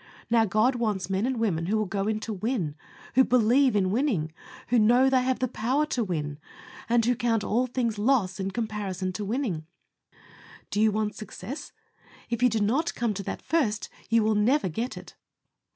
Now, God wants men and women who will go in to win, who believe in winning, who know they have the power to win, and who count all things loss in comparison to winning. Do you want success? If you do not come to that first, you will never get it.